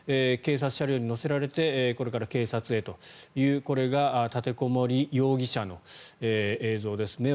警察車両に乗せられてこれから警察へというこれが立てこもり容疑者の映像です。